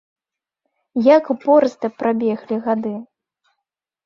Як борзда прабеглі гады!